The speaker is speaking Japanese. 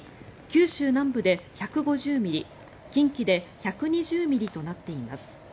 九州南部で１５０ミリ近畿で１２０ミリとなっています。